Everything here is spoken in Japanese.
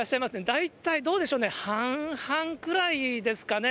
大体、どうでしょうね、半々くらいですかね。